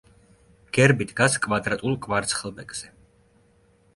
გერბი დგას კვადრატულ კვარცხლბეკზე.